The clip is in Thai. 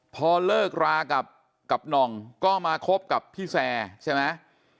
พอเลิกรากับหน่องก็มาคบกับพี่แซร์ใช่ไหม